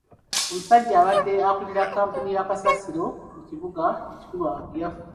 Omusajja abadde akulira kkampuni ya kasasiro mu kibuga ekikulu yafudde.